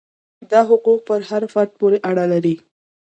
دا حقوق پر هر فرد پورې اړه لري.